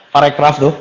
pak rekraf tuh